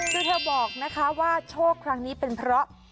คือเธอบอกนะคะว่าโชคครั้งนี้เป็นเพราะ